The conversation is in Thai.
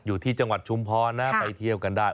อยู่ที่จังหวัดชุมพรนะไปเที่ยวกันได้